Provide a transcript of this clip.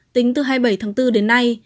tính từ hai mươi bảy tháng bốn đến nay